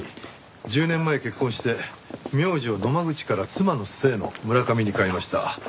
１０年前結婚して名字を野間口から妻の姓の村上に変えました。